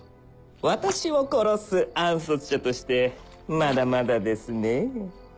私を殺す暗殺者としてまだまだですねえ